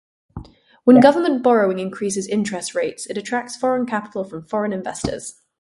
When government borrowing increases interest rates it attracts foreign capital from foreign investors.